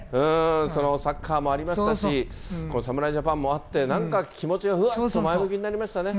そのサッカーもありましたし、侍ジャパンもあって、なんか気持ちがふわっと前向きになりましたね。